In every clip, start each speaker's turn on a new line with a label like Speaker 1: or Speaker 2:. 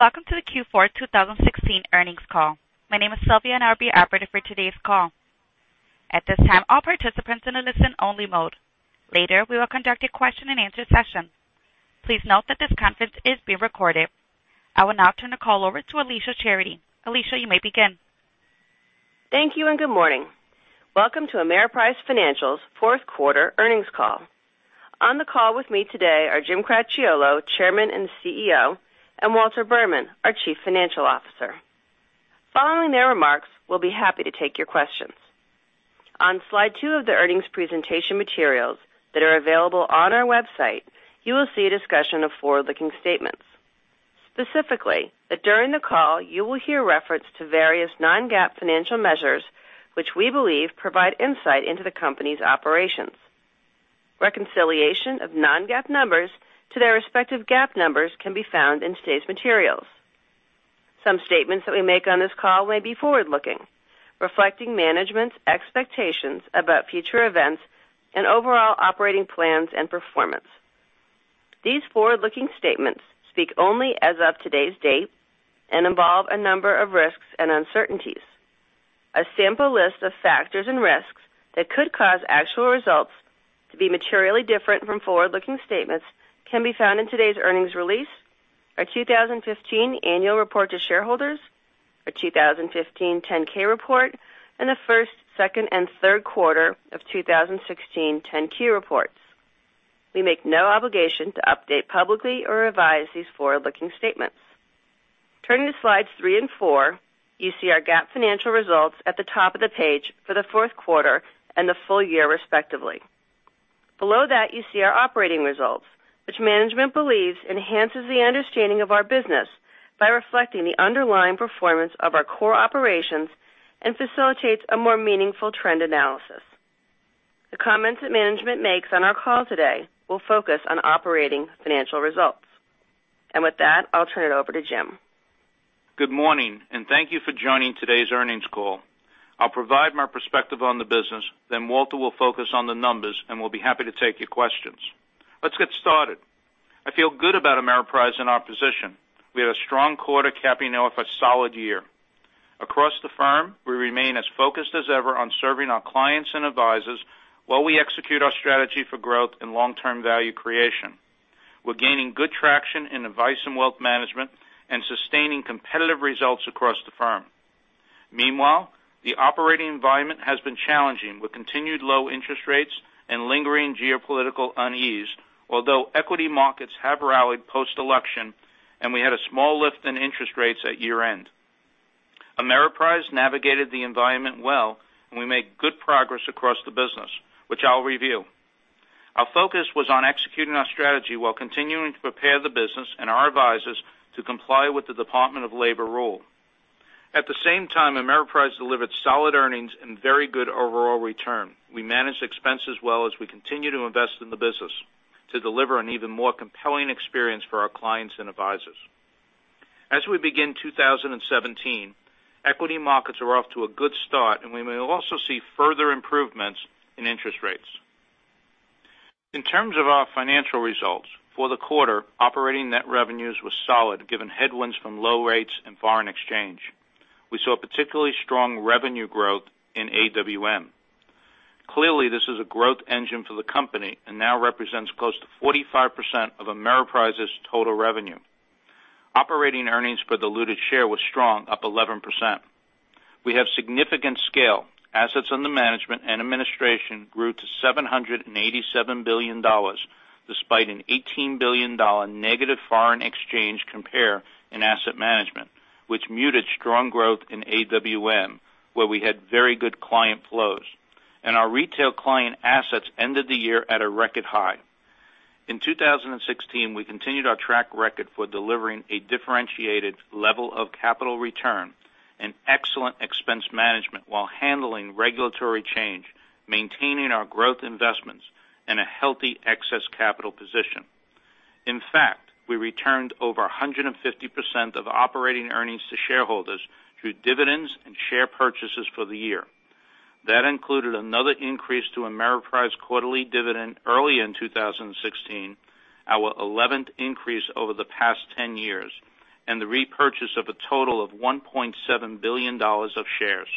Speaker 1: Welcome to the Q4 2016 earnings call. My name is Sylvia, and I'll be operating for today's call. At this time, all participants are in a listen-only mode. Later, we will conduct a question and answer session. Please note that this conference is being recorded. I will now turn the call over to Alicia Charity. Alicia, you may begin.
Speaker 2: Thank you. Good morning. Welcome to Ameriprise Financial's fourth quarter earnings call. On the call with me today are Jim Cracchiolo, Chairman and CEO, and Walter Berman, our Chief Financial Officer. Following their remarks, we'll be happy to take your questions. On Slide two of the earnings presentation materials that are available on our website, you will see a discussion of forward-looking statements. Specifically, that during the call, you will hear reference to various non-GAAP financial measures which we believe provide insight into the company's operations. Reconciliation of non-GAAP numbers to their respective GAAP numbers can be found in today's materials. Some statements that we make on this call may be forward-looking, reflecting management's expectations about future events and overall operating plans and performance. These forward-looking statements speak only as of today's date and involve a number of risks and uncertainties. A sample list of factors and risks that could cause actual results to be materially different from forward-looking statements can be found in today's earnings release, our 2015 annual report to shareholders, our 2015 10-K report, and the first, second, and third quarter of 2016 10-Q reports. We make no obligation to update publicly or revise these forward-looking statements. Turning to Slides three and four, you see our GAAP financial results at the top of the page for the fourth quarter and the full year respectively. Below that, you see our operating results, which management believes enhances the understanding of our business by reflecting the underlying performance of our core operations and facilitates a more meaningful trend analysis. The comments that management makes on our call today will focus on operating financial results. With that, I'll turn it over to Jim.
Speaker 3: Good morning. Thank you for joining today's earnings call. I'll provide my perspective on the business, then Walter will focus on the numbers, and we'll be happy to take your questions. Let's get started. I feel good about Ameriprise and our position. We had a strong quarter capping off a solid year. Across the firm, we remain as focused as ever on serving our clients and advisors while we execute our strategy for growth and long-term value creation. We're gaining good traction in Advice & Wealth Management and sustaining competitive results across the firm. Meanwhile, the operating environment has been challenging with continued low interest rates and lingering geopolitical unease. Although equity markets have rallied post-election, and we had a small lift in interest rates at year-end. Ameriprise navigated the environment well, and we made good progress across the business, which I'll review. Our focus was on executing our strategy while continuing to prepare the business and our advisors to comply with the Department of Labor rule. At the same time, Ameriprise delivered solid earnings and very good overall return. We managed expenses well as we continue to invest in the business to deliver an even more compelling experience for our clients and advisors. As we begin 2017, equity markets are off to a good start, and we may also see further improvements in interest rates. In terms of our financial results, for the quarter, operating net revenues were solid given headwinds from low rates and foreign exchange. We saw particularly strong revenue growth in AWM. Clearly, this is a growth engine for the company and now represents close to 45% of Ameriprise's total revenue. Operating earnings per diluted share was strong, up 11%. We have significant scale. Assets under management and administration grew to $787 billion, despite an $18 billion negative foreign exchange compare in asset management, which muted strong growth in AWM, where we had very good client flows. Our retail client assets ended the year at a record high. In 2016, we continued our track record for delivering a differentiated level of capital return and excellent expense management while handling regulatory change, maintaining our growth investments, and a healthy excess capital position. In fact, we returned over 150% of operating earnings to shareholders through dividends and share purchases for the year. That included another increase to Ameriprise quarterly dividend early in 2016, our 11th increase over the past 10 years, and the repurchase of a total of $1.7 billion of shares.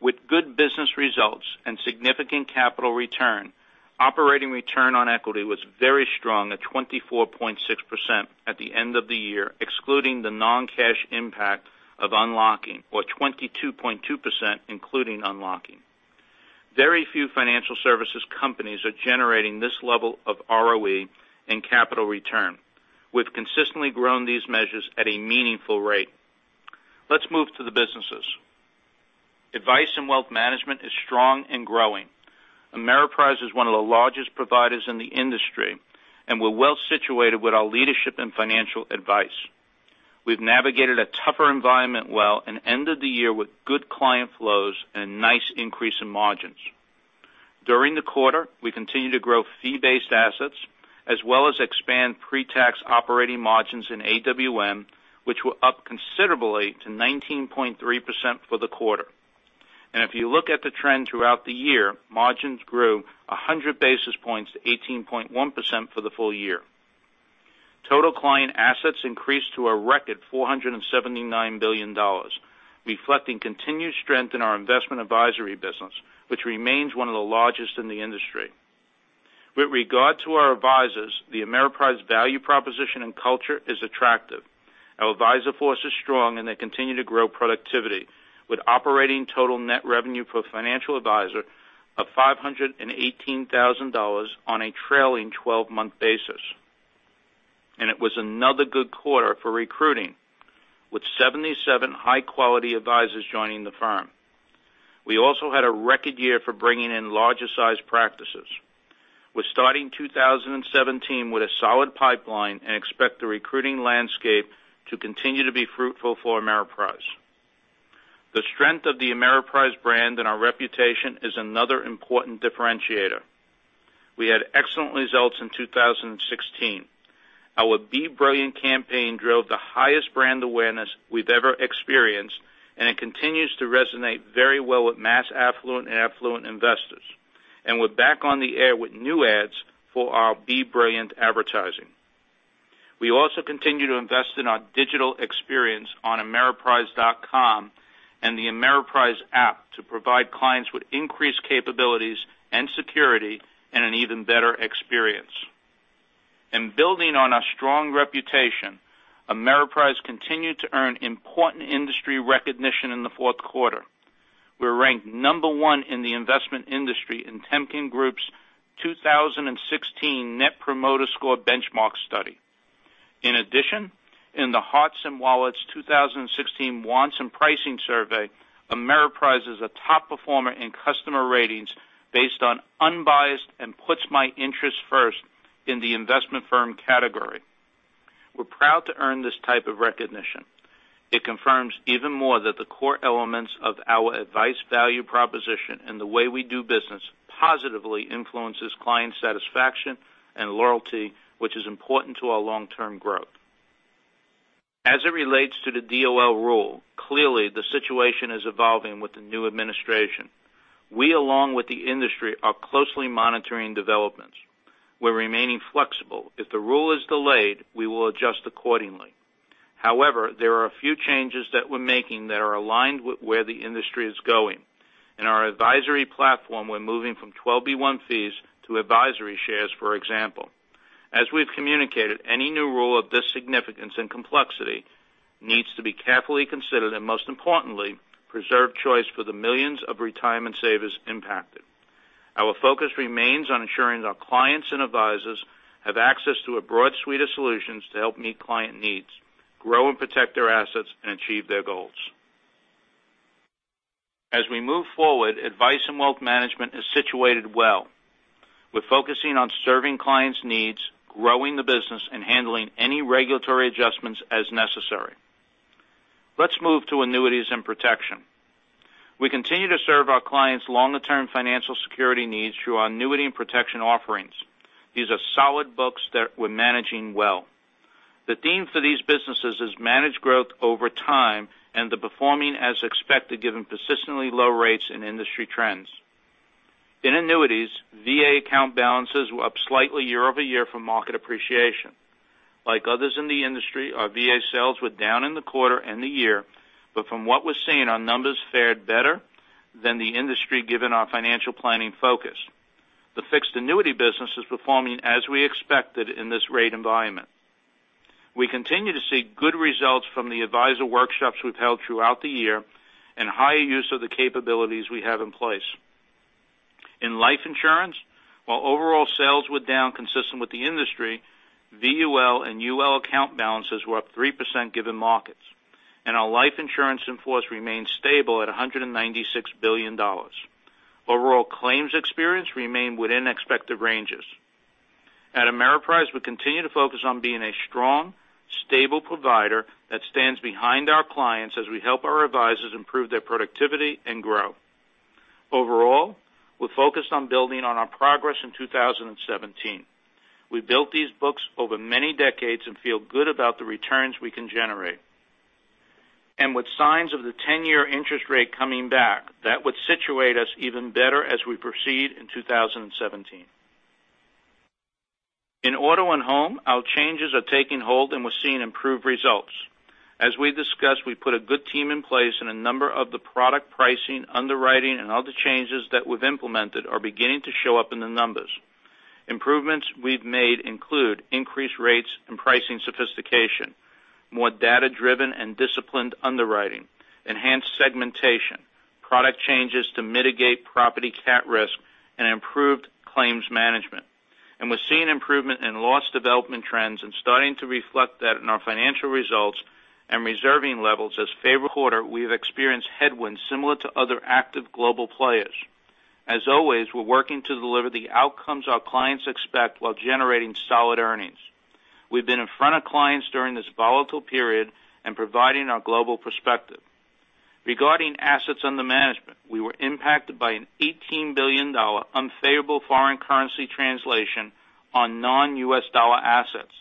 Speaker 3: With good business results and significant capital return, operating return on equity was very strong at 24.6% at the end of the year, excluding the non-cash impact of unlocking, or 22.2% including unlocking. Very few financial services companies are generating this level of ROE and capital return. We've consistently grown these measures at a meaningful rate. Let's move to the businesses. Advice & Wealth Management is strong and growing. Ameriprise is one of the largest providers in the industry, and we're well-situated with our leadership and financial advice. We've navigated a tougher environment well and ended the year with good client flows and nice increase in margins. During the quarter, we continued to grow fee-based assets as well as expand pre-tax operating margins in AWM, which were up considerably to 19.3% for the quarter. If you look at the trend throughout the year, margins grew 100 basis points to 18.1% for the full year. Total client assets increased to a record $479 billion, reflecting continued strength in our investment advisory business, which remains one of the largest in the industry. With regard to our advisors, the Ameriprise value proposition and culture is attractive. Our advisor force is strong, and they continue to grow productivity, with operating total net revenue per financial advisor of $518,000 on a trailing 12-month basis. It was another good quarter for recruiting, with 77 high-quality advisors joining the firm. We also had a record year for bringing in larger sized practices. We're starting 2017 with a solid pipeline and expect the recruiting landscape to continue to be fruitful for Ameriprise. The strength of the Ameriprise brand and our reputation is another important differentiator. We had excellent results in 2016. Our Be Brilliant campaign drove the highest brand awareness we've ever experienced, it continues to resonate very well with mass affluent and affluent investors. We're back on the air with new ads for our Be Brilliant advertising. We also continue to invest in our digital experience on ameriprise.com and the Ameriprise app to provide clients with increased capabilities and security, an even better experience. Building on our strong reputation, Ameriprise continued to earn important industry recognition in the fourth quarter. We're ranked number 1 in the investment industry in Temkin Group's 2016 Net Promoter Score Benchmark Study. In addition, in the Hearts & Wallets 2016 Wants and Pricing Survey, Ameriprise is a top performer in customer ratings based on unbiased and puts my interests first in the investment firm category. We're proud to earn this type of recognition. It confirms even more that the core elements of our advice value proposition and the way we do business positively influences client satisfaction and loyalty, which is important to our long-term growth. As it relates to the DOL rule, clearly the situation is evolving with the new administration. We, along with the industry, are closely monitoring developments. We're remaining flexible. If the rule is delayed, we will adjust accordingly. However, there are a few changes that we're making that are aligned with where the industry is going. In our advisory platform, we're moving from 12b-1 fees to advisory shares, for example. As we've communicated, any new rule of this significance and complexity needs to be carefully considered and most importantly, preserve choice for the millions of retirement savers impacted. Our focus remains on ensuring that our clients and advisors have access to a broad suite of solutions to help meet client needs, grow and protect their assets, and achieve their goals. As we move forward, Advice & Wealth Management is situated well. We're focusing on serving clients' needs, growing the business, and handling any regulatory adjustments as necessary. Let's move to Annuities & Protection. We continue to serve our clients' longer-term financial security needs through our annuity and protection offerings. These are solid books that we're managing well. The theme for these businesses is managed growth over time and they're performing as expected given persistently low rates and industry trends. In annuities, VA account balances were up slightly year-over-year from market appreciation. Like others in the industry, our VA sales were down in the quarter and the year, From what we're seeing, our numbers fared better than the industry, given our financial planning focus. The fixed annuity business is performing as we expected in this rate environment. We continue to see good results from the advisor workshops we've held throughout the year and higher use of the capabilities we have in place. In life insurance, while overall sales were down consistent with the industry, VUL and UL account balances were up 3% given markets. Our life insurance in force remains stable at $196 billion. Overall claims experience remain within expected ranges. At Ameriprise, we continue to focus on being a strong, stable provider that stands behind our clients as we help our advisors improve their productivity and grow. We're focused on building on our progress in 2017. We built these books over many decades and feel good about the returns we can generate. With signs of the 10-year interest rate coming back, that would situate us even better as we proceed in 2017. In Auto & Home, our changes are taking hold, and we're seeing improved results. As we discussed, we put a good team in place, and a number of the product pricing, underwriting, and other changes that we've implemented are beginning to show up in the numbers. Improvements we've made include increased rates and pricing sophistication, more data-driven and disciplined underwriting, enhanced segmentation, product changes to mitigate property cat risk, and improved claims management. We're seeing improvement in loss development trends and starting to reflect that in our financial results and reserving levels as favorable quarter, we have experienced headwinds similar to other active global players. As always, we're working to deliver the outcomes our clients expect while generating solid earnings. We've been in front of clients during this volatile period and providing our global perspective. Regarding assets under management, we were impacted by an $18 billion unfavorable foreign currency translation on non-U.S. dollar assets.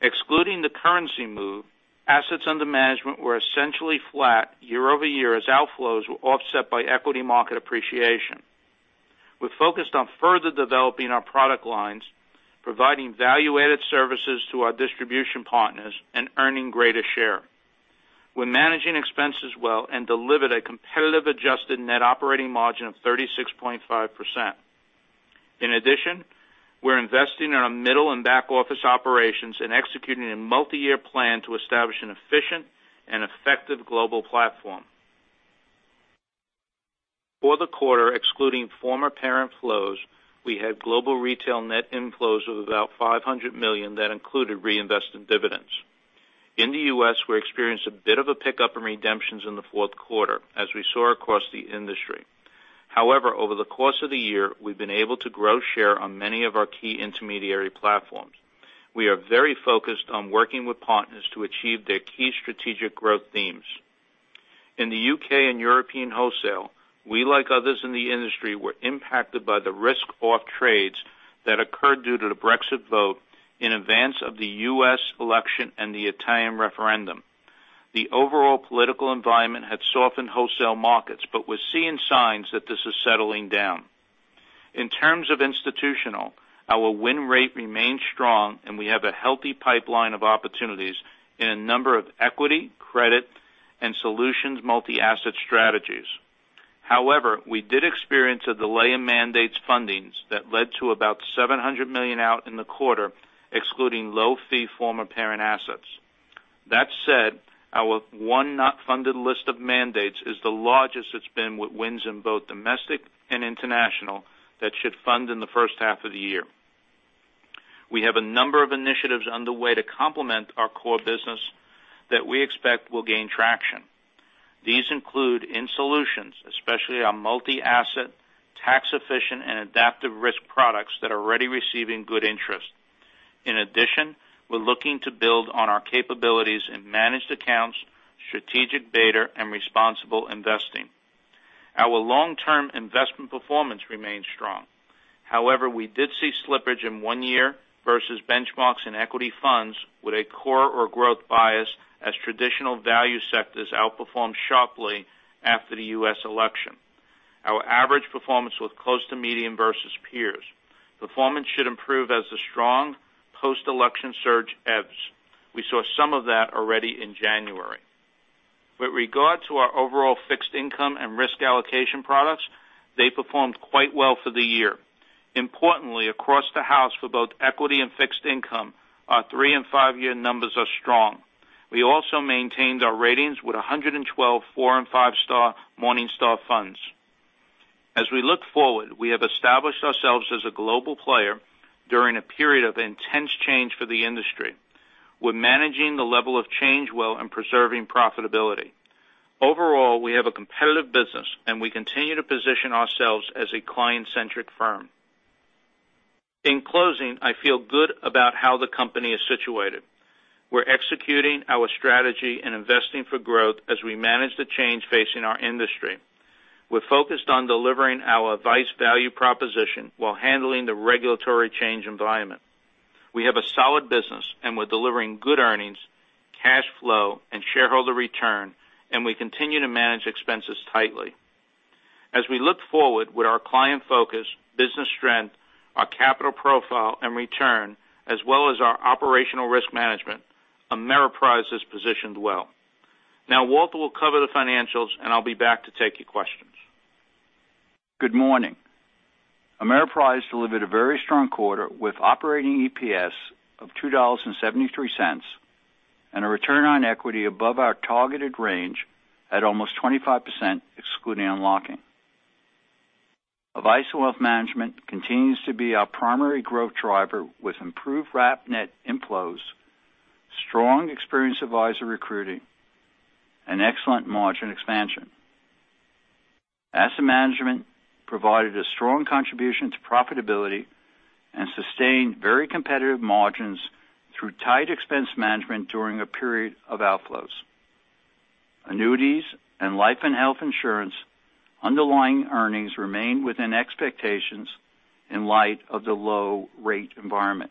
Speaker 3: Excluding the currency move, assets under management were essentially flat year-over-year as outflows were offset by equity market appreciation. We focused on further developing our product lines, providing value-added services to our distribution partners, and earning greater share. We're managing expenses well and delivered a competitive adjusted net operating margin of 36.5%. In addition, we're investing in our middle and back-office operations and executing a multi-year plan to establish an efficient and effective global platform. For the quarter, excluding former parent flows, we had global retail net inflows of about $500 million that included reinvested dividends. In the U.S., we experienced a bit of a pickup in redemptions in the fourth quarter as we saw across the industry. However, over the course of the year, we've been able to grow share on many of our key intermediary platforms. We are very focused on working with partners to achieve their key strategic growth themes. In the U.K. and European wholesale, we, like others in the industry, were impacted by the Brexit vote in advance of the U.S. election and the Italian referendum. The overall political environment had softened wholesale markets, we're seeing signs that this is settling down. In terms of institutional, our win rate remains strong, we have a healthy pipeline of opportunities in a number of equity, credit, and solutions multi-asset strategies. However, we did experience a delay in mandates fundings that led to about $700 million out in the quarter, excluding low-fee former parent assets. That said, our won, not funded list of mandates is the largest it's been with wins in both domestic and international that should fund in the first half of the year. We have a number of initiatives underway to complement our core business that we expect will gain traction. These include in solutions, especially our multi-asset, tax-efficient, and adaptive risk products that are already receiving good interest. In addition, we're looking to build on our capabilities in managed accounts, strategic beta, and responsible investing. Our long-term investment performance remains strong. However, we did see slippage in one year versus benchmarks in equity funds with a core or growth bias as traditional value sectors outperformed sharply after the U.S. election. Our average performance was close to medium versus peers. Performance should improve as the strong post-election surge ebbs. We saw some of that already in January. With regard to our overall fixed income and risk allocation products, they performed quite well for the year. Importantly, across the house for both equity and fixed income, our three and five-year numbers are strong. We also maintained our ratings with 112 4 and 5-star Morningstar funds. As we look forward, we have established ourselves as a global player during a period of intense change for the industry. We're managing the level of change well and preserving profitability. Overall, we have a competitive business, and we continue to position ourselves as a client-centric firm. In closing, I feel good about how the company is situated. We're executing our strategy and investing for growth as we manage the change facing our industry. We're focused on delivering our advice value proposition while handling the regulatory change environment. We have a solid business, and we're delivering good earnings, cash flow, and shareholder return, and we continue to manage expenses tightly. As we look forward with our client focus, business strength, our capital profile and return, as well as our operational risk management, Ameriprise is positioned well. Now Walter will cover the financials, and I'll be back to take your questions.
Speaker 4: Good morning. Ameriprise delivered a very strong quarter with operating EPS of $2.73 and a return on equity above our targeted range at almost 25%, excluding unlocking. Advice & Wealth Management continues to be our primary growth driver with improved wrap net inflows, strong experienced advisor recruiting, and excellent margin expansion. Asset management provided a strong contribution to profitability and sustained very competitive margins through tight expense management during a period of outflows. Annuities and life and health insurance underlying earnings remained within expectations in light of the low rate environment.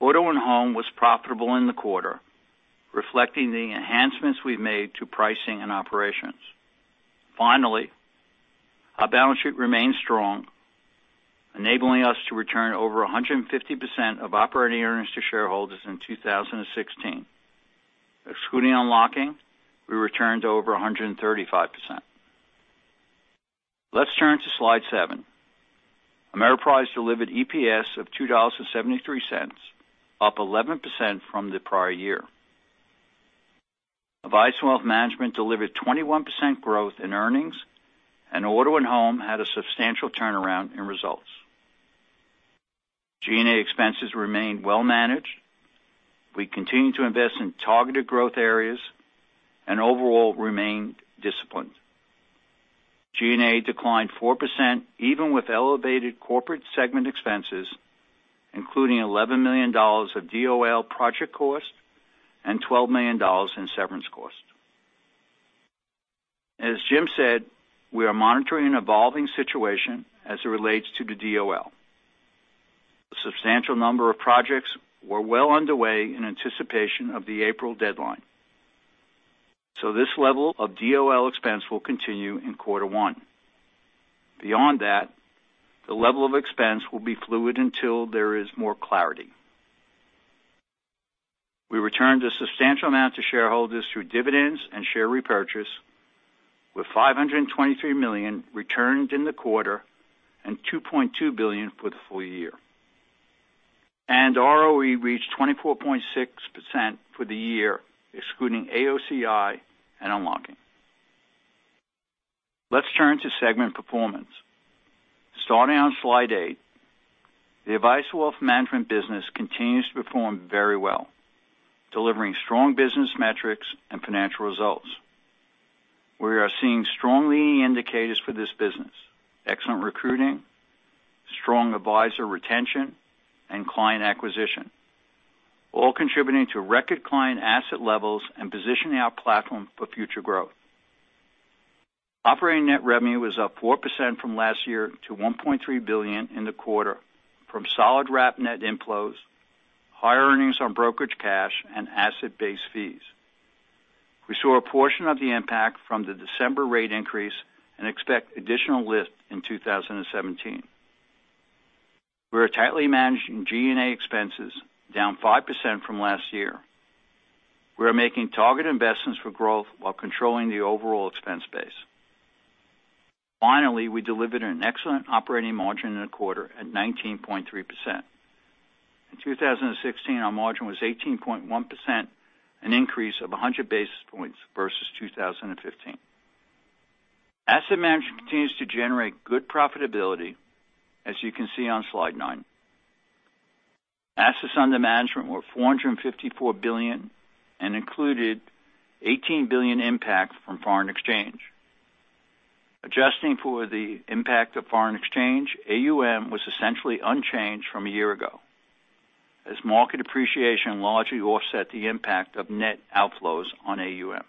Speaker 4: Auto & Home was profitable in the quarter, reflecting the enhancements we've made to pricing and operations. Finally, our balance sheet remains strong, enabling us to return over 150% of operating earnings to shareholders in 2016. Excluding unlocking, we returned over 135%. Let's turn to slide seven. Ameriprise delivered EPS of $2.73, up 11% from the prior year. Advice & Wealth Management delivered 21% growth in earnings, and Auto & Home had a substantial turnaround in results. G&A expenses remained well managed. We continued to invest in targeted growth areas and overall remained disciplined. G&A declined 4%, even with elevated corporate segment expenses, including $11 million of DOL project cost and $12 million in severance cost. As Jim said, we are monitoring an evolving situation as it relates to the DOL. A substantial number of projects were well underway in anticipation of the April deadline. This level of DOL expense will continue in quarter one. Beyond that, the level of expense will be fluid until there is more clarity. We returned a substantial amount to shareholders through dividends and share repurchase, with $523 million returned in the quarter and $2.2 billion for the full year. ROE reached 24.6% for the year, excluding AOCI and unlocking. Let's turn to segment performance. Starting on slide eight, the Advice & Wealth Management business continues to perform very well, delivering strong business metrics and financial results. We are seeing strong leading indicators for this business, excellent recruiting, strong advisor retention, and client acquisition, all contributing to record client asset levels and positioning our platform for future growth. Operating net revenue was up 4% from last year to $1.3 billion in the quarter from solid wrap net inflows, higher earnings on brokerage cash, and asset-based fees. We saw a portion of the impact from the December rate increase and expect additional lift in 2017. We are tightly managing G&A expenses, down 5% from last year. We are making targeted investments for growth while controlling the overall expense base. Finally, we delivered an excellent operating margin in the quarter at 19.3%. In 2016, our margin was 18.1%, an increase of 100 basis points versus 2015. Asset management continues to generate good profitability, as you can see on slide nine. Assets under management were $454 billion and included $18 billion impact from foreign exchange. Adjusting for the impact of foreign exchange, AUM was essentially unchanged from a year ago, as market appreciation largely offset the impact of net outflows on AUM.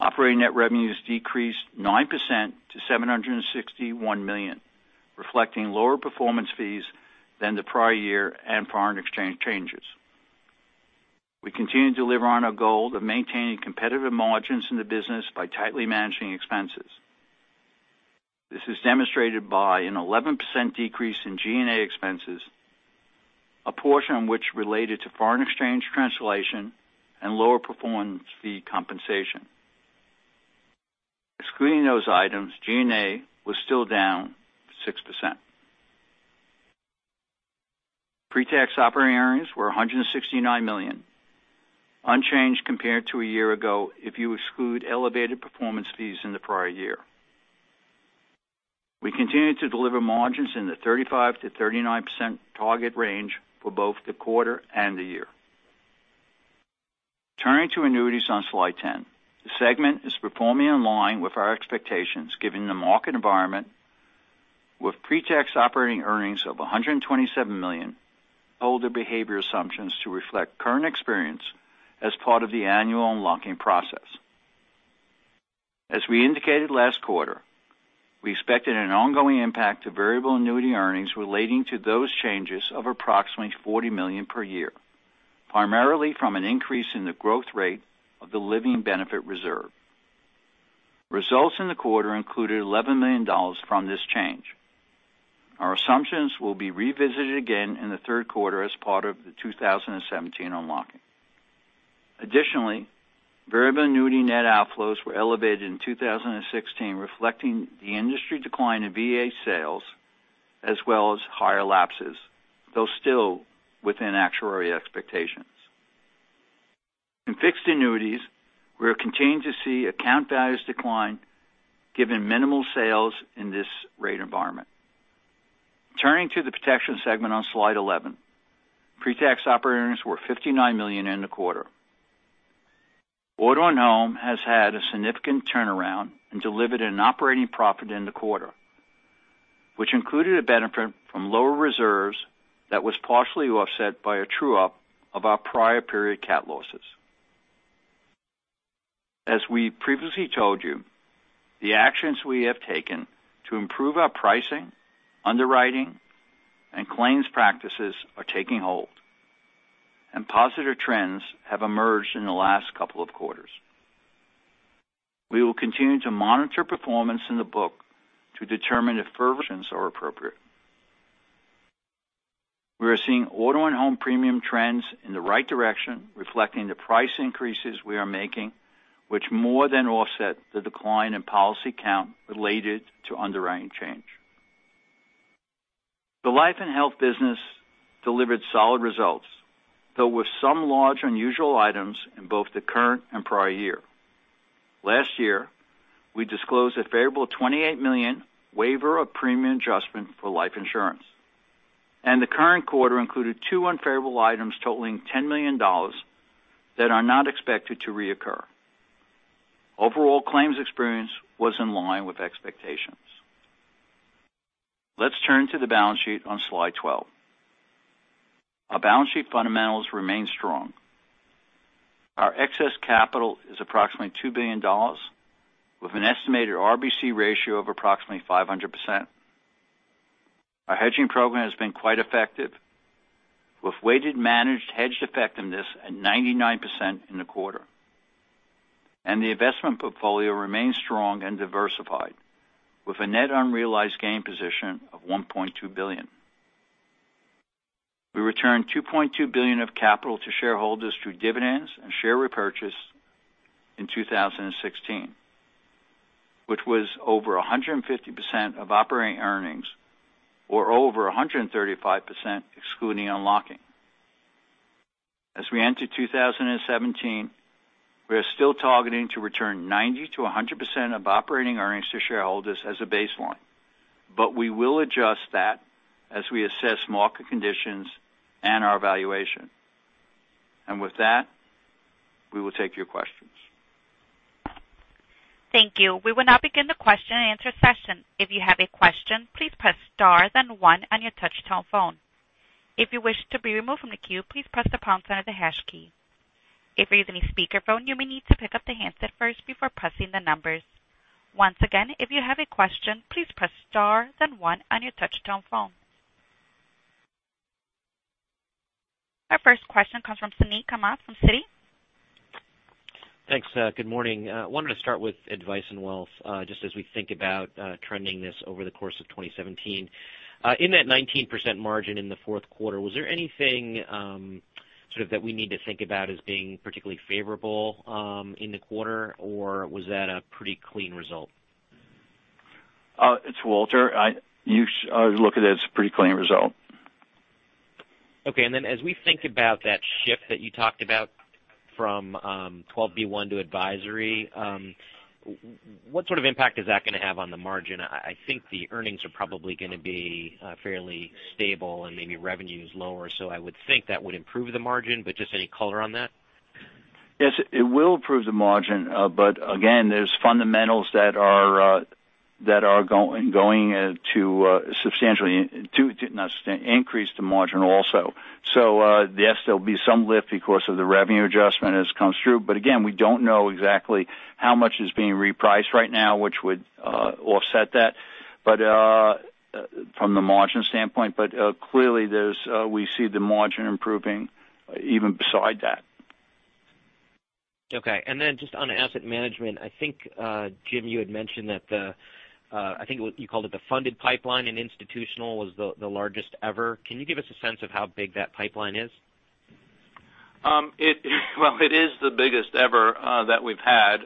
Speaker 4: Operating net revenues decreased 9% to $761 million, reflecting lower performance fees than the prior year and foreign exchange changes. We continue to deliver on our goal of maintaining competitive margins in the business by tightly managing expenses. This is demonstrated by an 11% decrease in G&A expenses, a portion of which related to foreign exchange translation and lower performance fee compensation. Excluding those items, G&A was still down 6%. Pre-tax operating earnings were $169 million, unchanged compared to a year ago if you exclude elevated performance fees in the prior year. We continue to deliver margins in the 35%-39% target range for both the quarter and the year. Turning to annuities on slide 10. The segment is performing in line with our expectations given the market environment with pre-tax operating earnings of $127 million. Holder behavior assumptions to reflect current experience as part of the annual unlocking process. As we indicated last quarter, we expected an ongoing impact to variable annuity earnings relating to those changes of approximately $40 million per year, primarily from an increase in the growth rate of the living benefit reserve. Results in the quarter included $11 million from this change. Our assumptions will be revisited again in the third quarter as part of the 2017 unlocking. Additionally, variable annuity net outflows were elevated in 2016, reflecting the industry decline in VA sales as well as higher lapses, though still within actuarial expectations. In fixed annuities, we are continuing to see account values decline given minimal sales in this rate environment. Turning to the protection segment on slide 11. Pre-tax operating earnings were $59 million in the quarter. Auto & Home has had a significant turnaround and delivered an operating profit in the quarter, which included a benefit from lower reserves that was partially offset by a true-up of our prior period cat losses. As we previously told you, the actions we have taken to improve our pricing, underwriting, and claims practices are taking hold, and positive trends have emerged in the last couple of quarters. We will continue to monitor performance in the book to determine if further actions are appropriate. We are seeing Auto & Home premium trends in the right direction, reflecting the price increases we are making, which more than offset the decline in policy count related to underwriting change. The life and health business delivered solid results, though with some large unusual items in both the current and prior year. Last year, we disclosed a favorable $28 million waiver of premium adjustment for life insurance, and the current quarter included two unfavorable items totaling $10 million that are not expected to reoccur. Overall claims experience was in line with expectations. Let's turn to the balance sheet on slide 12. Our balance sheet fundamentals remain strong. Our excess capital is approximately $2 billion, with an estimated RBC ratio of approximately 500%. Our hedging program has been quite effective, with weighted managed hedged effectiveness at 99% in the quarter. The investment portfolio remains strong and diversified, with a net unrealized gain position of $1.2 billion. We returned $2.2 billion of capital to shareholders through dividends and share repurchase in 2016, which was over 150% of operating earnings, or over 135% excluding unlocking. As we enter 2017, we are still targeting to return 90%-100% of operating earnings to shareholders as a baseline. We will adjust that as we assess market conditions and our valuation. With that, we will take your questions.
Speaker 1: Thank you. We will now begin the question and answer session. If you have a question, please press star then one on your touch-tone phone. If you wish to be removed from the queue, please press the pound sign or the hash key. If you're using a speakerphone, you may need to pick up the handset first before pressing the numbers. Once again, if you have a question, please press star then one on your touch-tone phone. Our first question comes from Suneet Kamath from Citi.
Speaker 5: Thanks. Good morning. I wanted to start with Advice & Wealth, just as we think about trending this over the course of 2017. In that 19% margin in the fourth quarter, was there anything that we need to think about as being particularly favorable in the quarter, or was that a pretty clean result?
Speaker 4: It's Walter. I would look at it as a pretty clean result.
Speaker 5: Okay. As we think about that shift that you talked about from 12b-1 to advisory, what sort of impact is that going to have on the margin? I think the earnings are probably going to be fairly stable and maybe revenues lower. I would think that would improve the margin. Just any color on that?
Speaker 4: Yes, it will improve the margin. Again, there's fundamentals that are going to substantially increase the margin also. Yes, there'll be some lift because of the revenue adjustment as comes through. Again, we don't know exactly how much is being repriced right now, which would offset that from the margin standpoint. Clearly, we see the margin improving even beside that.
Speaker 5: Okay. Just on asset management, I think, Jim, you had mentioned that the, I think you called it the funded pipeline in institutional was the largest ever. Can you give us a sense of how big that pipeline is?
Speaker 3: Well, it is the biggest ever that we've had.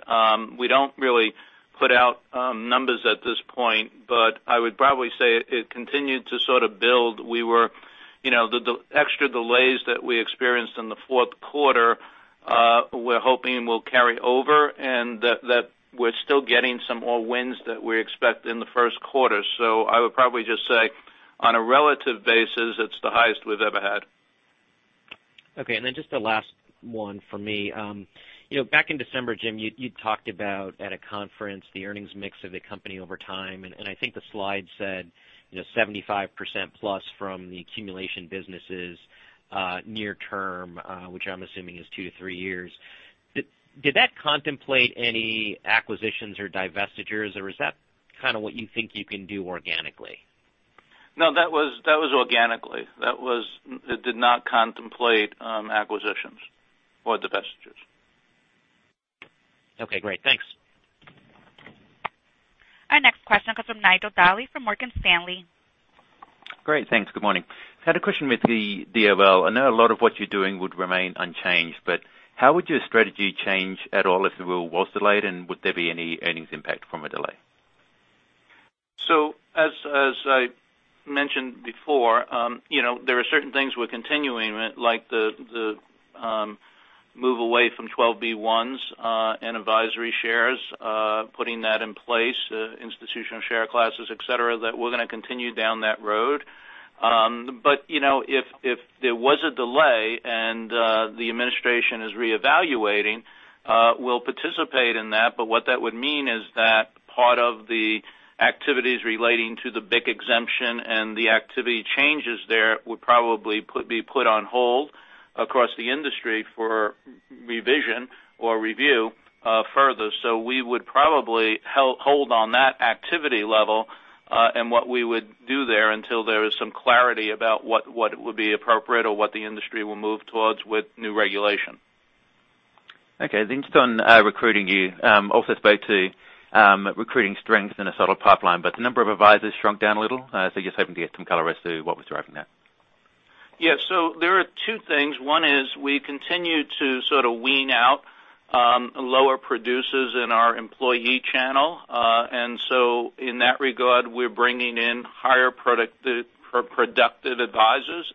Speaker 3: We don't really put out numbers at this point, but I would probably say it continued to sort of build. The extra delays that we experienced in the fourth quarter, we're hoping will carry over and that we're still getting some more wins that we expect in the first quarter. I would probably just say, on a relative basis, it's the highest we've ever had.
Speaker 5: Okay. Then just the last one for me. Back in December, Jim, you talked about at a conference the earnings mix of the company over time. I think the slide said 75% plus from the accumulation businesses near term, which I'm assuming is two to three years. Did that contemplate any acquisitions or divestitures, or is that kind of what you think you can do organically?
Speaker 3: No, that was organically. That did not contemplate acquisitions or divestitures.
Speaker 5: Okay, great. Thanks.
Speaker 1: Our next question comes from Nigel Dally from Morgan Stanley.
Speaker 6: Great. Thanks. Good morning. I had a question with the DOL. I know a lot of what you're doing would remain unchanged, but how would your strategy change at all if the rule was delayed? Would there be any earnings impact from a delay?
Speaker 3: As I mentioned before, there are certain things we're continuing, like the move away from 12b-1s and advisory shares, putting that in place, institutional share classes, et cetera, that we're going to continue down that road. If there was a delay and the administration is reevaluating, we'll participate in that. What that would mean is that part of the activities relating to the BIC Exemption and the activity changes there would probably be put on hold across the industry for revision or review further. We would probably hold on that activity level and what we would do there until there is some clarity about what would be appropriate or what the industry will move towards with new regulation.
Speaker 6: Okay. Just on recruiting, you also spoke to recruiting strength in a settled pipeline, but the number of advisors shrunk down a little. I guess hoping to get some color as to what was driving that.
Speaker 3: Yeah. There are two things. One is we continue to sort of wean out lower producers in our employee channel. In that regard, we're bringing in higher productive advisors.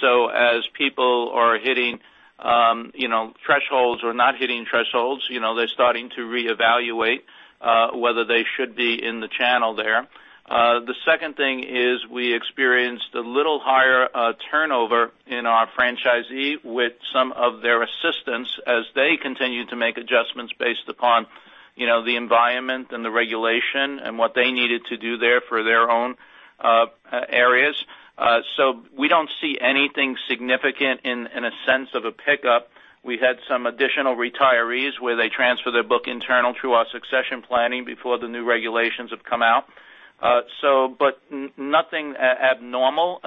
Speaker 3: As people are hitting thresholds or not hitting thresholds, they're starting to reevaluate whether they should be in the channel there. The second thing is we experienced a little higher turnover in our franchisee with some of their assistants as they continued to make adjustments based upon the environment and the regulation and what they needed to do there for their own areas. We don't see anything significant in a sense of a pickup. We've had some additional retirees where they transfer their book internal through our succession planning before the new regulations have come out. Nothing abnormal.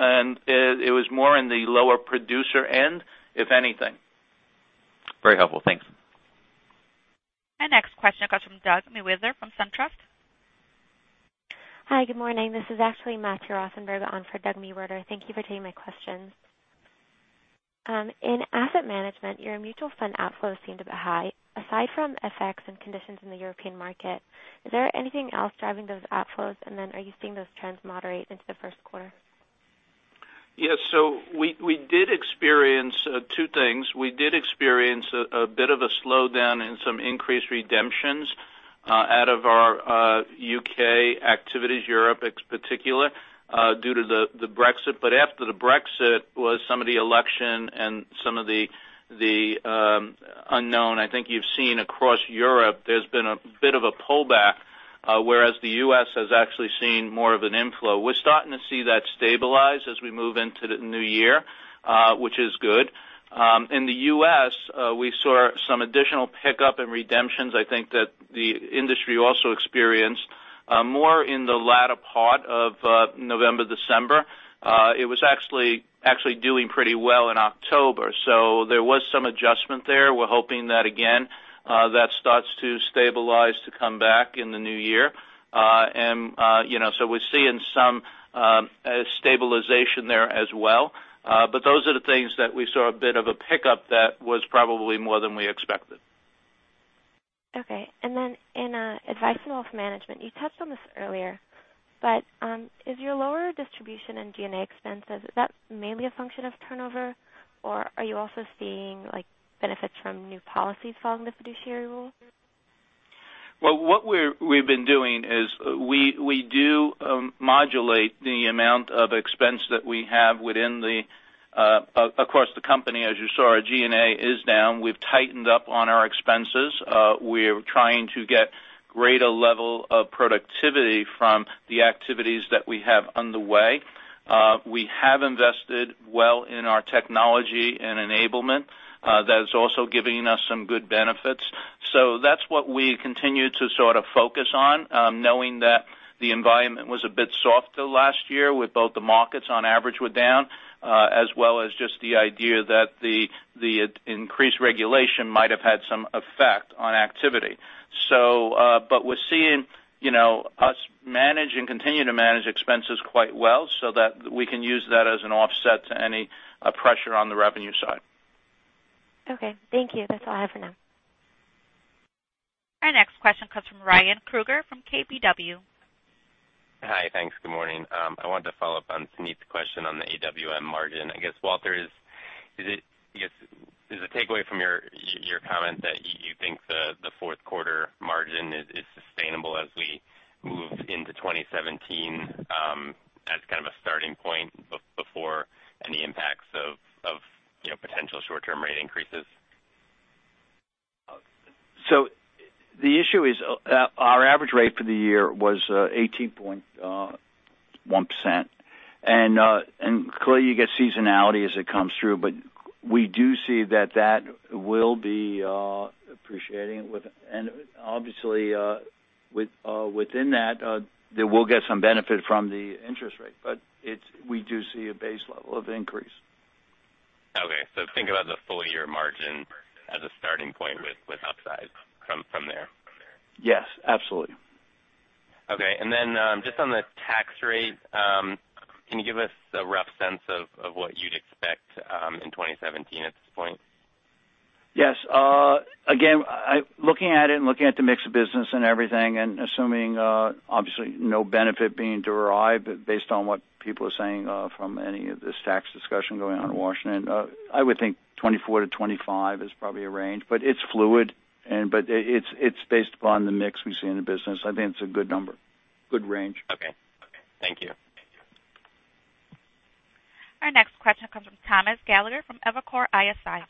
Speaker 3: It was more in the lower producer end, if anything.
Speaker 6: Very helpful. Thanks.
Speaker 1: Our next question comes from Doug Mewherter from SunTrust.
Speaker 7: Hi, good morning. This is actually Matthew Rosenberg on for Douglas Mewherter. Thank you for taking my questions. In asset management, your mutual fund outflows seem to be high. Aside from FX and conditions in the European market, is there anything else driving those outflows? Are you seeing those trends moderate into the first quarter?
Speaker 3: Yes. We did experience two things. We did experience a bit of a slowdown in some increased redemptions out of our U.K. activities, Europe in particular, due to the Brexit. After the Brexit was some of the election and some of the unknown, I think you've seen across Europe there's been a bit of a pullback, whereas the U.S. has actually seen more of an inflow. We're starting to see that stabilize as we move into the new year, which is good. In the U.S., we saw some additional pickup in redemptions I think that the industry also experienced more in the latter part of November, December. It was actually doing pretty well in October. There was some adjustment there. We're hoping that, again, that starts to stabilize to come back in the new year. We're seeing some stabilization there as well. Those are the things that we saw a bit of a pickup that was probably more than we expected.
Speaker 7: Okay. In Advice & Wealth Management, you touched on this earlier, but is your lower distribution in G&A expenses, is that mainly a function of turnover, or are you also seeing benefits from new policies following the fiduciary rule?
Speaker 3: What we've been doing is we do modulate the amount of expense that we have across the company. As you saw, our G&A is down. We've tightened up on our expenses. We're trying to get greater level of productivity from the activities that we have underway. We have invested well in our technology and enablement. That is also giving us some good benefits. That's what we continue to sort of focus on, knowing that the environment was a bit softer last year with both the markets on average were down, as well as just the idea that the increased regulation might have had some effect on activity. We're seeing us manage and continue to manage expenses quite well so that we can use that as an offset to any pressure on the revenue side.
Speaker 7: Okay. Thank you. That's all I have for now.
Speaker 1: Our next question comes from Ryan Krueger from KBW.
Speaker 8: Hi. Thanks. Good morning. I wanted to follow up on Suneet's question on the AWM margin. I guess, Walter, is the takeaway from your comment that you think the fourth quarter margin is sustainable as we move into 2017 as kind of a starting point before any impacts of potential short-term rate increases?
Speaker 4: The issue is our average rate for the year was 18.1%. Clearly you get seasonality as it comes through, but we do see that that will be appreciating. Obviously within that, they will get some benefit from the interest rate. We do see a base level of increase.
Speaker 8: Okay. Think about the full-year margin as a starting point with upside from there.
Speaker 4: Yes, absolutely.
Speaker 8: Okay. Then just on the tax rate, can you give us a rough sense of what you'd expect in 2017 at this point?
Speaker 4: Yes. Again, looking at it and looking at the mix of business and everything and assuming obviously no benefit being derived based on what people are saying from any of this tax discussion going on in Washington, I would think 24-25 is probably a range, it's fluid. It's based upon the mix we see in the business. I think it's a good number. Good range.
Speaker 8: Okay. Thank you.
Speaker 1: Our next question comes from Thomas Gallagher from Evercore ISI.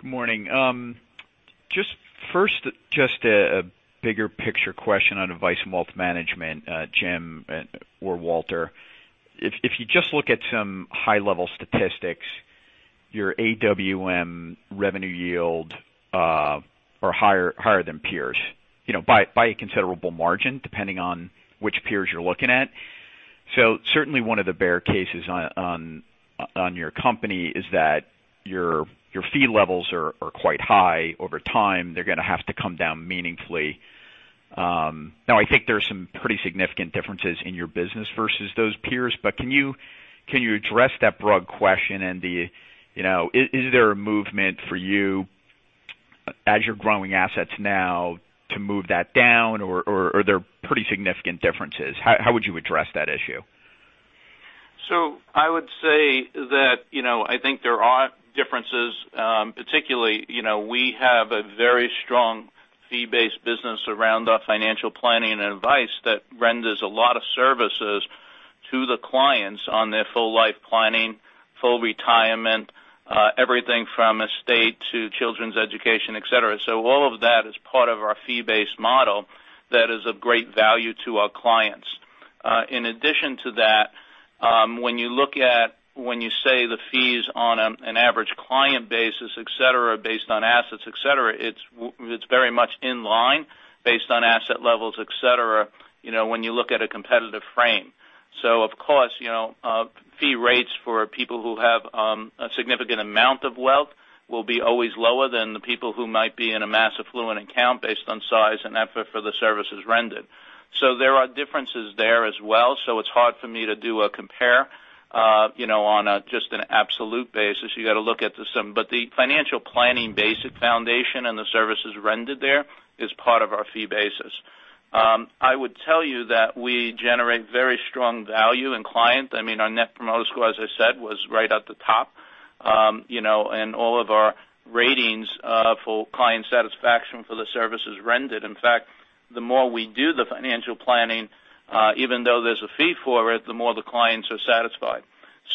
Speaker 9: Good morning. First, just a bigger picture question on Advice & Wealth Management, Jim or Walter. If you just look at some high-level statistics, your AWM revenue yield are higher than peers by a considerable margin, depending on which peers you're looking at. Certainly one of the bear cases on your company is that your fee levels are quite high over time. They're going to have to come down meaningfully. Now, I think there are some pretty significant differences in your business versus those peers. Can you address that broad question and is there a movement for you as you're growing assets now to move that down, or are there pretty significant differences? How would you address that issue?
Speaker 3: I would say that I think there are differences. Particularly, we have a very strong fee-based business around our financial planning and advice that renders a lot of services to the clients on their full life planning, full retirement, everything from estate to children's education, et cetera. All of that is part of our fee-based model that is of great value to our clients. In addition to that, when you look at, when you say the fees on an average client basis, et cetera, based on assets, et cetera, it's very much in line based on asset levels, et cetera, when you look at a competitive frame. Of course, fee rates for people who have a significant amount of wealth will be always lower than the people who might be in a mass affluent account based on size and effort for the services rendered. There are differences there as well. It's hard for me to do a compare on just an absolute basis. You got to look at some. The financial planning basic foundation and the services rendered there is part of our fee basis. I would tell you that we generate very strong value in client. Our Net Promoter Score, as I said, was right at the top. All of our ratings for client satisfaction for the services rendered. In fact, the more we do the financial planning, even though there's a fee for it, the more the clients are satisfied.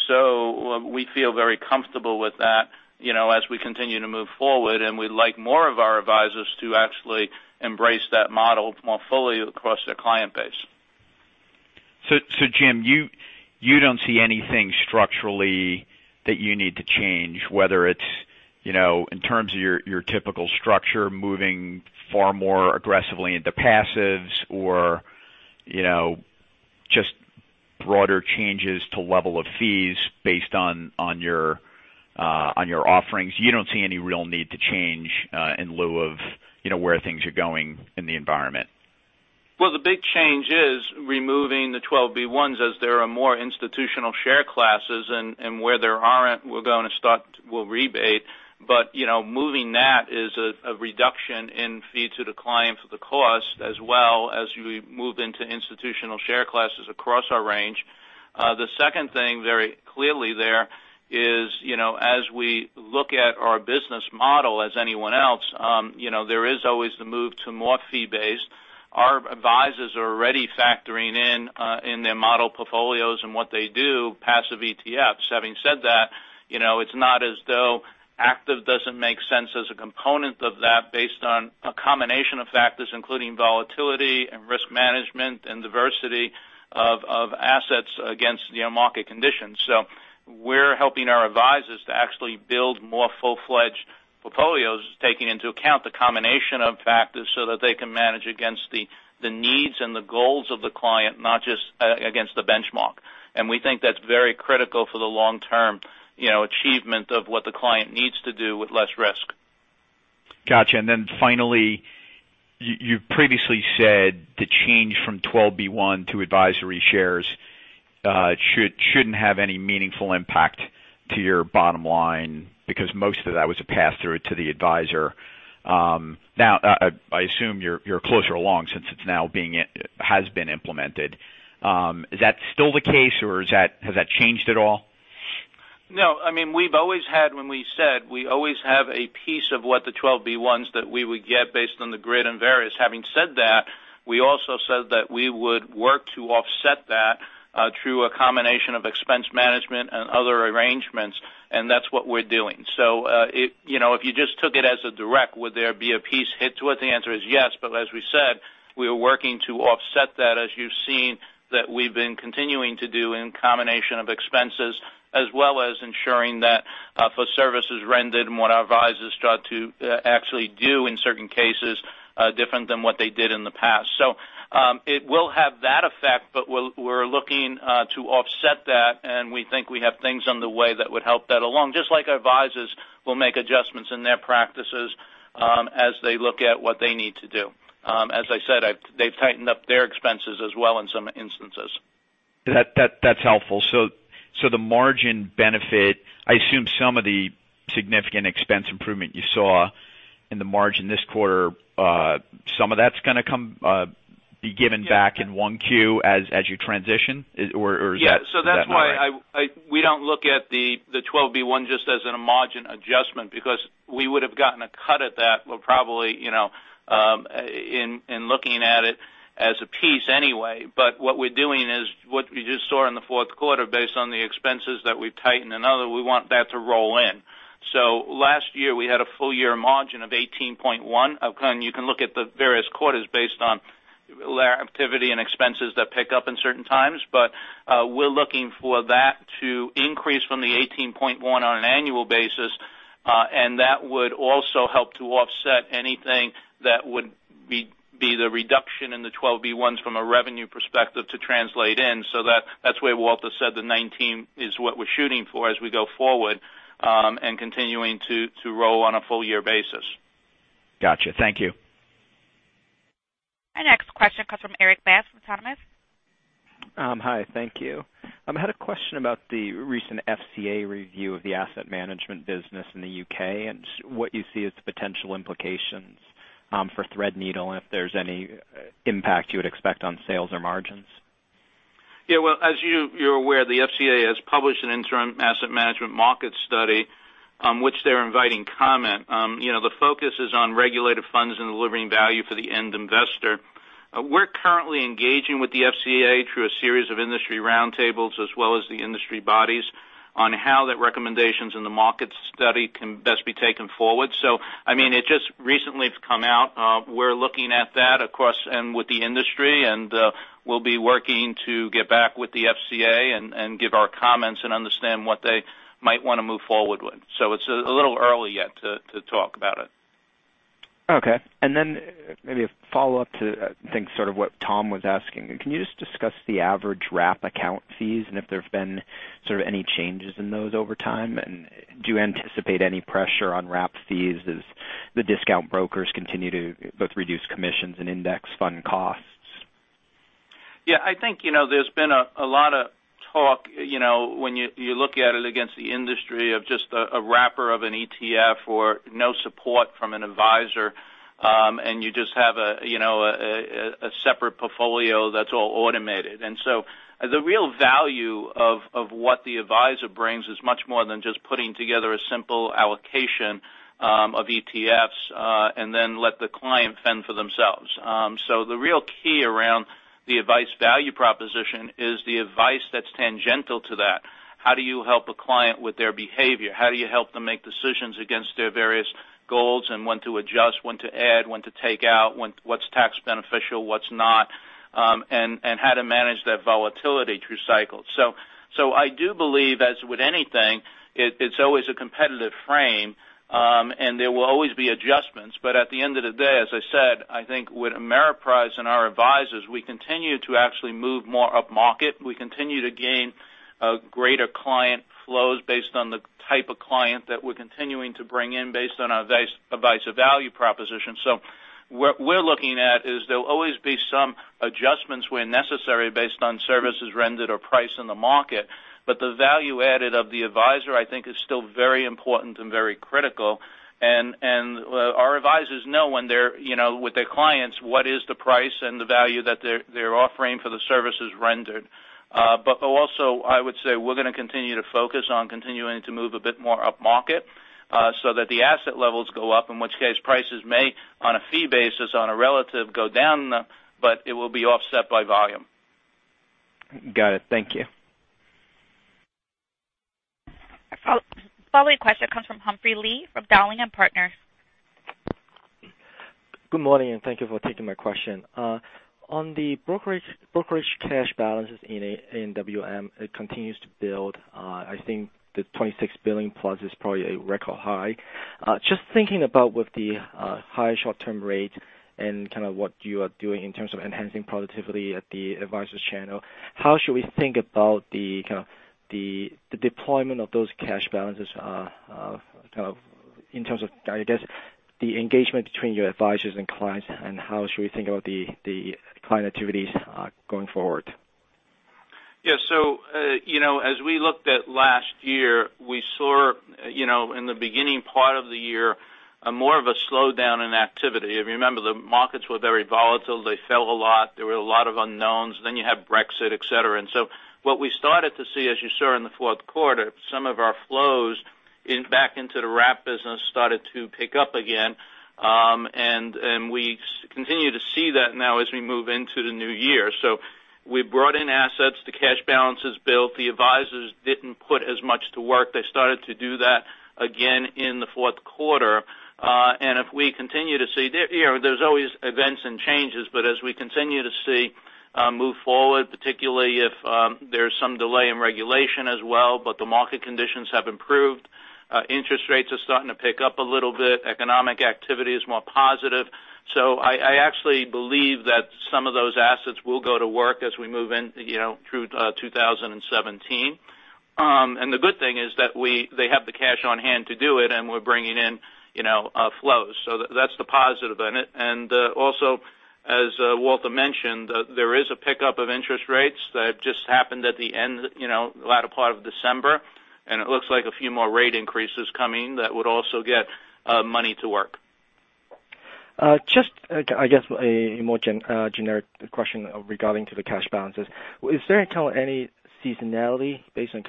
Speaker 3: We feel very comfortable with that as we continue to move forward, and we'd like more of our advisors to actually embrace that model more fully across their client base.
Speaker 9: Jim, you don't see anything structurally that you need to change, whether it's in terms of your typical structure moving far more aggressively into passives or just broader changes to level of fees based on your offerings. You don't see any real need to change in lieu of where things are going in the environment?
Speaker 3: The big change is removing the 12b-1s as there are more institutional share classes, and where there aren't, we'll rebate. Moving that is a reduction in fee to the client for the cost as well as we move into institutional share classes across our range. The second thing very clearly there is, as we look at our business model as anyone else, there is always the move to more fee based. Our advisors are already factoring in their model portfolios and what they do, passive ETFs. Having said that, it's not as though active doesn't make sense as a component of that based on a combination of factors, including volatility and risk management and diversity of assets against market conditions. We're helping our advisors to actually build more full-fledged portfolios, taking into account the combination of factors so that they can manage against the needs and the goals of the client, not just against the benchmark. We think that's very critical for the long-term achievement of what the client needs to do with less risk.
Speaker 9: Got you. Finally, you previously said the change from 12b-1 to advisory shares shouldn't have any meaningful impact to your bottom line because most of that was a pass-through to the advisor. I assume you're closer along since it now has been implemented. Is that still the case or has that changed at all?
Speaker 3: No. We've always had when we said we always have a piece of what the 12b-1s that we would get based on the grid and various. Having said that, we also said that we would work to offset that through a combination of expense management and other arrangements, and that's what we're doing. If you just took it as a direct, would there be a piece hit to it? The answer is yes. As we said, we are working to offset that, as you've seen that we've been continuing to do in combination of expenses, as well as ensuring that for services rendered and what our advisors start to actually do in certain cases different than what they did in the past. It will have that effect, but we're looking to offset that, and we think we have things on the way that would help that along, just like our advisors will make adjustments in their practices as they look at what they need to do. As I said, they've tightened up their expenses as well in some instances.
Speaker 9: That's helpful. The margin benefit, I assume some of the significant expense improvement you saw in the margin this quarter, some of that's going to be given back in 1Q as you transition? Or is that not right?
Speaker 3: Yeah. That's why we don't look at the 12b-1 just as a margin adjustment because we would have gotten a cut at that. We'll probably, in looking at it as a piece anyway. What we're doing is what you just saw in the fourth quarter based on the expenses that we've tightened and other, we want that to roll in. Last year, we had a full-year margin of 18.1%. You can look at the various quarters based on activity and expenses that pick up in certain times. We're looking for that to increase from the 18.1% on an annual basis. That would also help to offset anything that would be the reduction in the 12b-1s from a revenue perspective to translate in. That's where Walter said the 19% is what we're shooting for as we go forward, continuing to roll on a full-year basis.
Speaker 9: Got you. Thank you.
Speaker 1: Our next question comes from Erik Bass with Autonomous Research.
Speaker 10: Hi, thank you. I had a question about the recent FCA review of the asset management business in the U.K. and what you see as the potential implications for Threadneedle, and if there's any impact you would expect on sales or margins.
Speaker 3: Yeah. Well, as you're aware, the FCA has published an interim asset management market study, which they're inviting comment. The focus is on regulated funds and delivering value for the end investor. We're currently engaging with the FCA through a series of industry roundtables as well as the industry bodies on how the recommendations in the market study can best be taken forward. It just recently has come out. We're looking at that, of course, and with the industry, and we'll be working to get back with the FCA and give our comments and understand what they might want to move forward with. It's a little early yet to talk about it.
Speaker 10: Okay. Then maybe a follow-up to, I think, sort of what Thomas was asking. Can you just discuss the average wrap account fees, and if there's been sort of any changes in those over time? Do you anticipate any pressure on wrap fees as the discount brokers continue to both reduce commissions and index fund costs?
Speaker 3: I think there's been a lot of talk, when you look at it against the industry of just a wrapper of an ETF or no support from an advisor, and you just have a separate portfolio that's all automated. The real value of what the advisor brings is much more than just putting together a simple allocation of ETFs, and then let the client fend for themselves. The real key around the advice value proposition is the advice that's tangential to that. How do you help a client with their behavior? How do you help them make decisions against their various goals and when to adjust, when to add, when to take out, what's tax beneficial, what's not, and how to manage that volatility through cycles. I do believe, as with anything, it's always a competitive frame, and there will always be adjustments. At the end of the day, as I said, I think with Ameriprise and our advisors, we continue to actually move more upmarket. We continue to gain greater client flows based on the type of client that we're continuing to bring in based on our advisor value proposition. What we're looking at is there'll always be some adjustments where necessary based on services rendered or price in the market. The value added of the advisor, I think, is still very important and very critical. Our advisors know with their clients, what is the price and the value that they're offering for the services rendered. Also, I would say we're going to continue to focus on continuing to move a bit more upmarket so that the asset levels go up, in which case prices may, on a fee basis, on a relative, go down, but it will be offset by volume.
Speaker 10: Got it. Thank you.
Speaker 1: Follow-up question comes from Humphrey Lee of Dowling & Partners.
Speaker 11: Good morning, and thank you for taking my question. On the brokerage cash balances in AWM, it continues to build. I think the $26 billion plus is probably a record high. Just thinking about with the high short-term rate and what you are doing in terms of enhancing productivity at the advisors channel, how should we think about the deployment of those cash balances in terms of, I guess, the engagement between your advisors and clients, and how should we think about the client activities going forward?
Speaker 3: Yeah. As we looked at last year, we saw in the beginning part of the year more of a slowdown in activity. If you remember, the markets were very volatile. They fell a lot. There were a lot of unknowns. You had Brexit, et cetera. What we started to see, as you saw in the fourth quarter, some of our flows back into the wrap business started to pick up again. We continue to see that now as we move into the new year. We brought in assets. The cash balances built. The advisors didn't put as much to work. They started to do that again in the fourth quarter. There's always events and changes, as we continue to see move forward, particularly if there's some delay in regulation as well, the market conditions have improved. Interest rates are starting to pick up a little bit. Economic activity is more positive. I actually believe that some of those assets will go to work as we move through 2017. The good thing is that they have the cash on hand to do it, and we're bringing in flows. That's the positive in it. Also, as Walter mentioned, there is a pickup of interest rates that just happened at the latter part of December, and it looks like a few more rate increases coming that would also get money to work.
Speaker 11: I guess, a more generic question regarding the cash balances. Is there any seasonality based on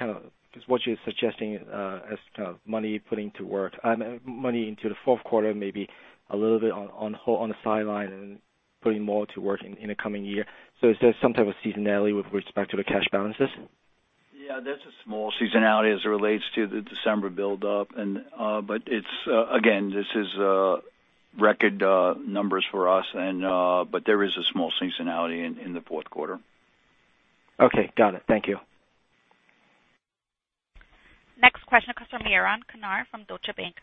Speaker 11: what you're suggesting as money putting to work, money into the fourth quarter, maybe a little bit on the sideline and putting more to work in the coming year. Is there some type of seasonality with respect to the cash balances?
Speaker 4: Yeah, there's a small seasonality as it relates to the December buildup. Again, this is record numbers for us, but there is a small seasonality in the fourth quarter.
Speaker 11: Okay. Got it. Thank you.
Speaker 1: Next question comes from Yaron Kinar from Deutsche Bank.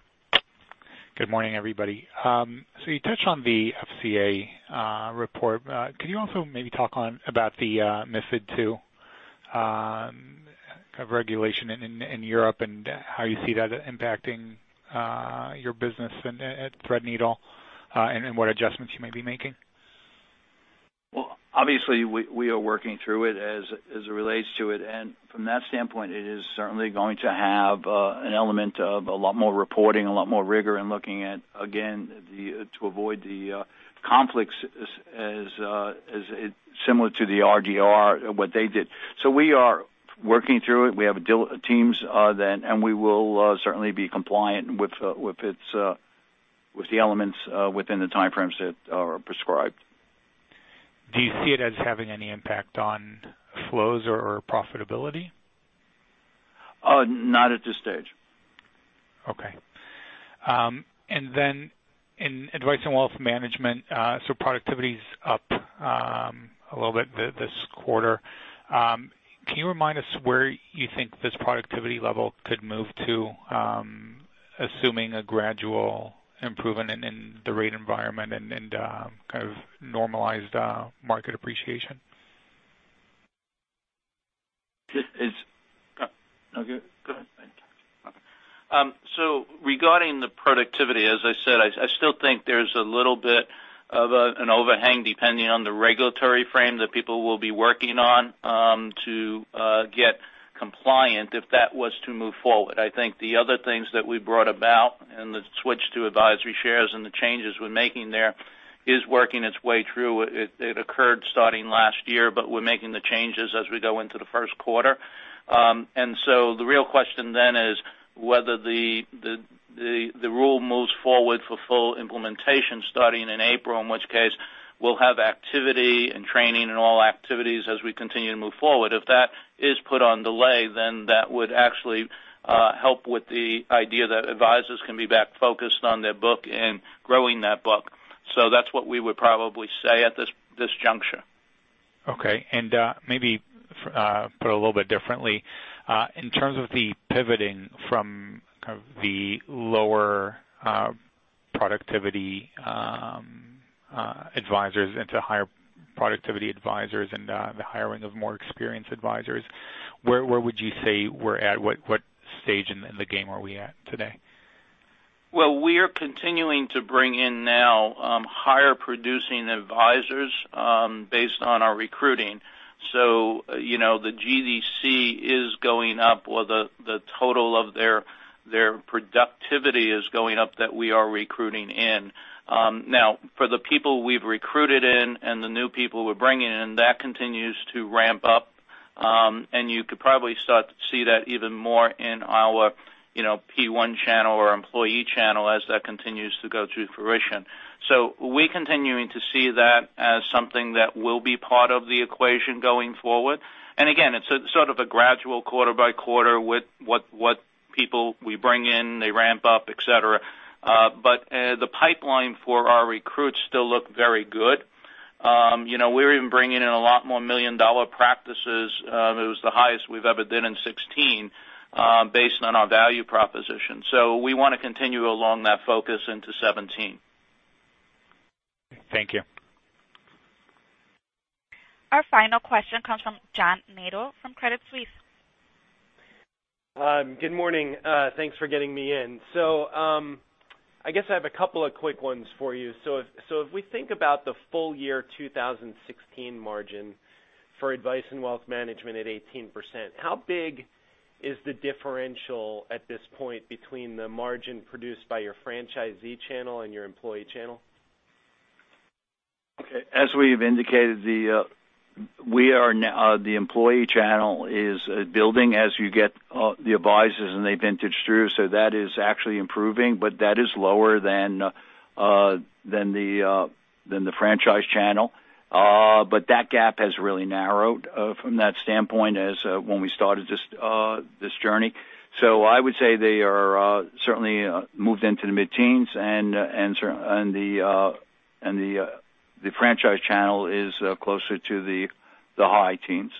Speaker 12: Good morning, everybody. You touched on the FCA report. Could you also maybe talk about the MiFID II regulation in Europe and how you see that impacting your business at Threadneedle, and what adjustments you may be making?
Speaker 4: Well, obviously, we are working through it as it relates to it. From that standpoint, it is certainly going to have an element of a lot more reporting, a lot more rigor in looking at, again, to avoid the conflicts similar to the RDR, what they did. We are working through it. We have teams, and we will certainly be compliant with the elements within the time frames that are prescribed.
Speaker 12: Do you see it as having any impact on flows or profitability?
Speaker 4: Not at this stage.
Speaker 12: Okay. In Advice & Wealth Management, productivity's up a little bit this quarter. Can you remind us where you think this productivity level could move to, assuming a gradual improvement in the rate environment and kind of normalized market appreciation?
Speaker 3: Regarding the productivity, as I said, I still think there's a little bit of an overhang, depending on the regulatory frame that people will be working on to get compliant if that was to move forward. I think the other things that we brought about, and the switch to advisory shares and the changes we're making there, is working its way through. It occurred starting last year, but we're making the changes as we go into the first quarter. The real question then is whether the rule moves forward for full implementation starting in April, in which case we'll have activity and training and all activities as we continue to move forward. If that is put on delay, that would actually help with the idea that advisors can be back focused on their book and growing that book.
Speaker 4: That's what we would probably say at this juncture.
Speaker 12: Okay. Maybe put a little bit differently, in terms of the pivoting from kind of the lower productivity advisors into higher productivity advisors and the hiring of more experienced advisors, where would you say we're at? What stage in the game are we at today?
Speaker 3: We are continuing to bring in now higher producing advisors based on our recruiting. The GDC is going up or the total of their productivity is going up that we are recruiting in. For the people we've recruited in and the new people we're bringing in, that continues to ramp up. You could probably start to see that even more in our P1 channel or employee channel as that continues to go to fruition. We're continuing to see that as something that will be part of the equation going forward. Again, it's sort of a gradual quarter-by-quarter with what people we bring in, they ramp up, et cetera. The pipeline for our recruits still look very good. We're even bringing in a lot more million-dollar practices. It was the highest we've ever been in 2016 based on our value proposition.
Speaker 4: We want to continue along that focus into 2017.
Speaker 12: Thank you.
Speaker 1: Our final question comes from John Nadel from Credit Suisse.
Speaker 13: Good morning. Thanks for getting me in. I guess I have a couple of quick ones for you. If we think about the full year 2016 margin for Advice & Wealth Management at 18%, how big is the differential at this point between the margin produced by your franchisee channel and your employee channel?
Speaker 4: Okay. As we have indicated, the employee channel is building as you get the advisors and they vintage through. That is actually improving, but that is lower than the franchise channel. That gap has really narrowed from that standpoint as when we started this journey. I would say they are certainly moved into the mid-teens, and the franchise channel is closer to the high teens.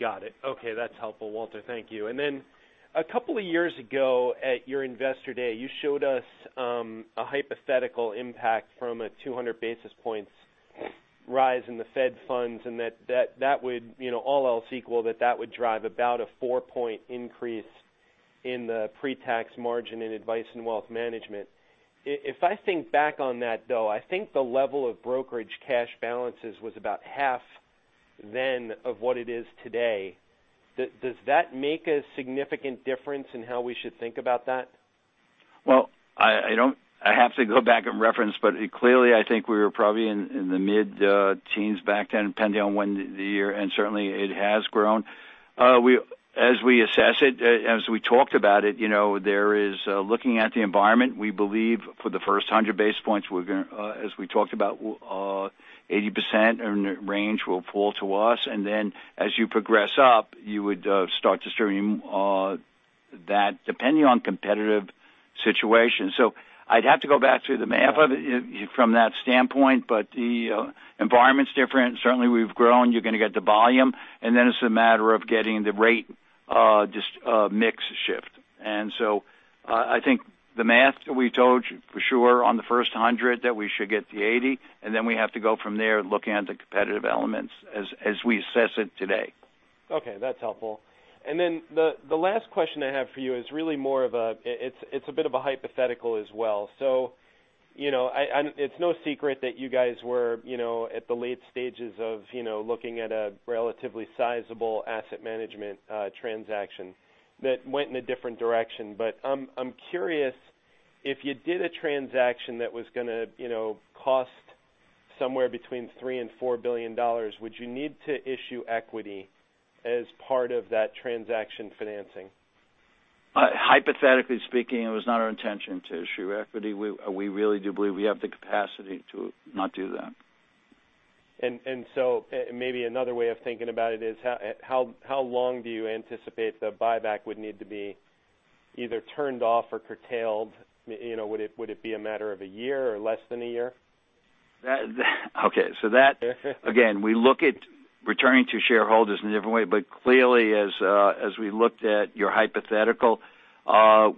Speaker 13: Got it. Okay. That's helpful, Walter. Thank you. A couple of years ago at your Investor Day, you showed us a hypothetical impact from a 200 basis points rise in the Fed funds, and that would, all else equal, that that would drive about a four-point increase in the pre-tax margin in Advice & Wealth Management. If I think back on that, though, I think the level of brokerage cash balances was about half then of what it is today. Does that make a significant difference in how we should think about that?
Speaker 4: I have to go back and reference, clearly I think we were probably in the mid-teens back then, depending on when the year, and certainly it has grown. As we assess it, as we talked about it, there is looking at the environment, we believe for the first 100 basis points, as we talked about, 80% range will fall to us. As you progress up, you would start to stream that depending on competitive situation. I'd have to go back through the math from that standpoint, but the environment's different. Certainly, we've grown. You're going to get the volume, and then it's a matter of getting the rate mix shift. I think the math we told you for sure on the first 100 that we should get the 80, then we have to go from there looking at the competitive elements as we assess it today.
Speaker 13: Okay. That's helpful. The last question I have for you is really more of a, it's a bit of a hypothetical as well. It's no secret that you guys were at the late stages of looking at a relatively sizable asset management transaction that went in a different direction. I'm curious if you did a transaction that was going to cost somewhere between $3 billion-$4 billion, would you need to issue equity as part of that transaction financing?
Speaker 4: Hypothetically speaking, it was not our intention to issue equity. We really do believe we have the capacity to not do that.
Speaker 13: Maybe another way of thinking about it is, how long do you anticipate the buyback would need to be either turned off or curtailed? Would it be a matter of a year or less than a year?
Speaker 4: Okay. That, again, we look at returning to shareholders in a different way, clearly as we looked at your hypothetical,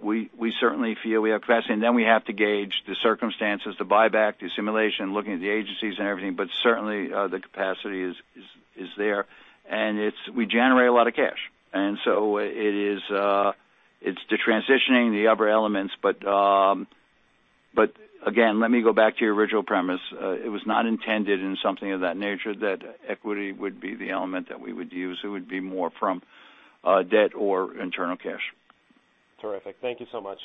Speaker 4: we certainly feel we have capacity. We have to gauge the circumstances, the buyback, the assimilation, looking at the agencies and everything. Certainly, the capacity is there. We generate a lot of cash. It's the transitioning the upper elements. Again, let me go back to your original premise. It was not intended in something of that nature that equity would be the element that we would use. It would be more from debt or internal cash.
Speaker 13: Terrific. Thank you so much.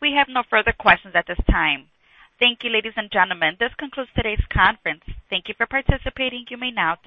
Speaker 1: We have no further questions at this time. Thank you, ladies and gentlemen. This concludes today's conference. Thank you for participating. You may now disconnect.